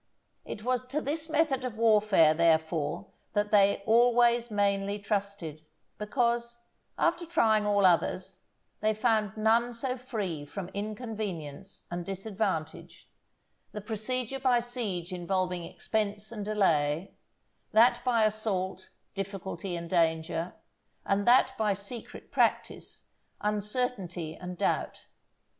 It was to this method of warfare therefore that they always mainly trusted, because, after trying all others, they found none so free from inconvenience and disadvantage—the procedure by siege involving expense and delay, that by assault, difficulty and danger, and that by secret practice, uncertainty and doubt.